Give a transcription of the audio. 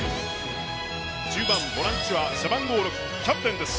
中盤、ボランチは背番号６キャプテンです。